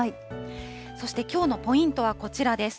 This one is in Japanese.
そしてきょうのポイントはこちらです。